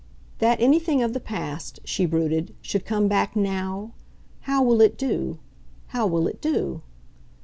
"That anything of the past," she brooded, "should come back NOW? How will it do, how will it do?"